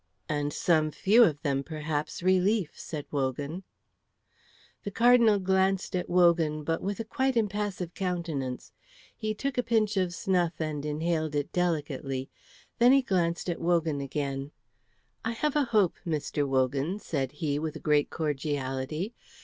"And some few of them, perhaps, relief," said Wogan. The Cardinal glanced at Wogan, but with a quite impassive countenance. He took a pinch of snuff and inhaled it delicately. Then he glanced at Wogan again. "I have a hope, Mr. Wogan," said he, with a great cordiality.